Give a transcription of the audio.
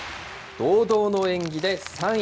堂々の演技で３位。